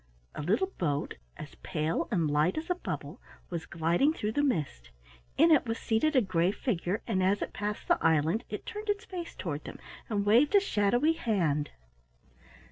A little boat, as pale and light as a bubble, was gliding through the mist; in it was seated a gray figure, and as it passed the island it turned its face toward them and waved a shadowy hand.